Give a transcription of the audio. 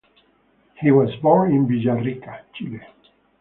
He was born in Villarrica Chile.